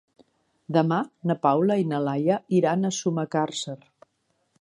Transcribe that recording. Demà na Paula i na Laia iran a Sumacàrcer.